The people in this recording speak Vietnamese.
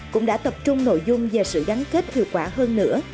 cũng đã tập trung nội dung và sự gắn kết hiệu quả hơn nữa